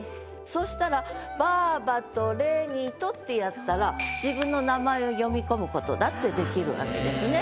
そしたら「ばあばとれにと」ってやったら自分の名前を詠み込むことだってできるわけですね。